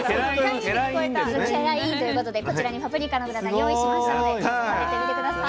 「けらいん」ということでこちらにパプリカのグラタン用意しましたので食べてみて下さい。